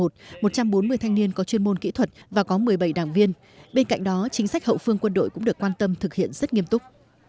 một trăm bốn mươi thanh niên có chuyên môn kỹ thuật và có một mươi bảy đảng viên bên cạnh đó chính sách hậu phương quân đội cũng được quan tâm thực hiện rất nghiêm túc